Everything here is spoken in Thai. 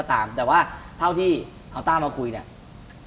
ตามแต่ว่าเท่าที่เอาต้ามาคุยเนี่ย